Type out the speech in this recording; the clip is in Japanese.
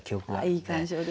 いい鑑賞ですね。